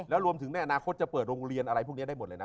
แล้วรวมถึงในอนาคตจะเปิดโรงเรียนอะไรพวกนี้ได้หมดเลยนะ